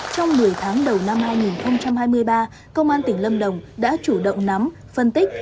trong một mươi tháng đầu năm hai nghìn hai mươi ba công an tỉnh lâm đồng đã chủ động nắm phân tích